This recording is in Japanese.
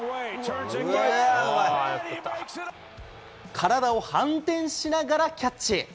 体を反転しながらキャッチ。